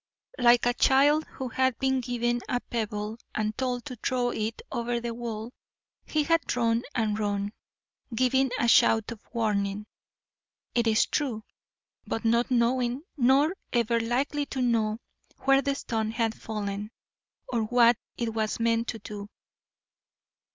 Like a child who had been given a pebble, and told to throw it over the wall, he had thrown and run, giving a shout of warning, it is true, but not knowing, nor ever likely to know, where the stone had fallen, or what it was meant to do.